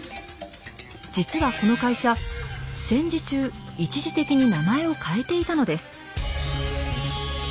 実はこの会社戦時中一時的に名前を変えていたのです。